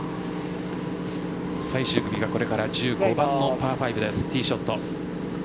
最終組がこれから１５番のパー５ティーショット。